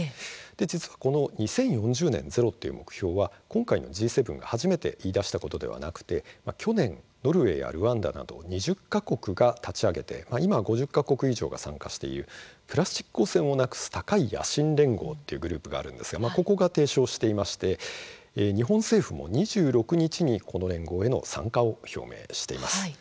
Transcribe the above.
実は、この２０４０年ゼロという目標は今回のＧ７が初めて言い出したわけではなく去年、ノルウェーやルワンダなど２０か国が立ち上げて今５０か国以上が参加しているプラスチック汚染をなくす高い野心連合というグループがあるんですがここが提唱していて日本政府も２６日にこの連合への参加を表明しています。